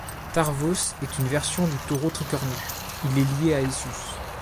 Tarvos est une version du taureau tricornu, il est lié à Esus.